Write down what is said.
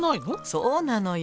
そうなのよ。